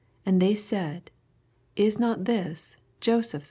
And hey said, Is not this Joseph's son